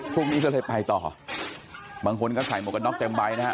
พรุ่งนี้ก็เลยไปต่อบางคนก็ใส่หมวกกันน็อกเต็มใบนะฮะ